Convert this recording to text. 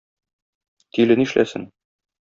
Тиле нишләсен?